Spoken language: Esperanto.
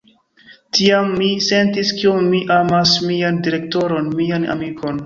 Tiam, mi sentis kiom mi amas mian direktoron, mian amikon.